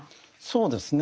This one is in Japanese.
そうですね。